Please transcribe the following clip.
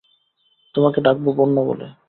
তোমাকে ডাকব বন্য বলে।